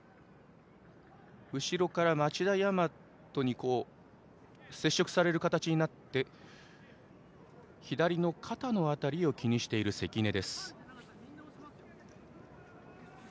後ろから町田也真人に接触される形になって左の肩の辺りを気にしている関根。